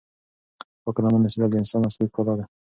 پاک لمن اوسېدل د انسان اصلی ښکلا ده.